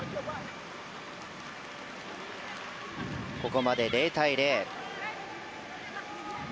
ここまで０対０。